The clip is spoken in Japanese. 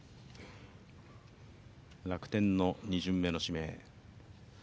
楽天の２巡目の指名。